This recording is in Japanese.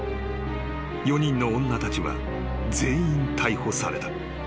［４人の女たちは全員逮捕された］